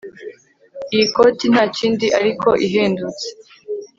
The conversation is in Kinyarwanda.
Iyi koti ntakindi ariko ihendutse